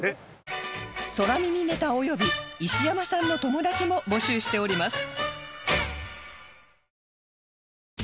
空耳ネタおよび石山さんの友達も募集しております